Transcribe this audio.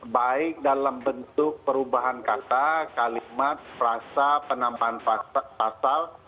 baik dalam bentuk perubahan kata kalimat rasa penambahan pasal